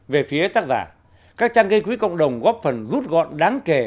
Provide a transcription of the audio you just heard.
về phía tác giả các trang gây quỹ cộng đồng góp phần rút gọn đáng kể